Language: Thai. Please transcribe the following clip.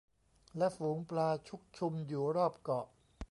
และฝูงปลาชุกชุมอยู่รอบเกาะ